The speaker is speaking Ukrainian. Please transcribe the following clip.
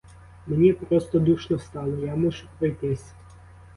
Мені просто душно стало, я мушу пройтись.